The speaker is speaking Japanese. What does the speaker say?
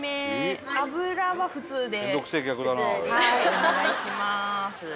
・お願いします。